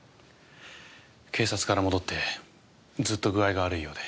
警察から戻ってずっと具合が悪いようで。